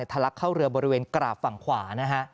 ลักเข้าเรือบริเวณกราบฝั่งขวานะฮะ